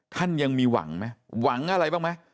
ท่านยังมีหวังไหมหวังอะไรบ้างไหม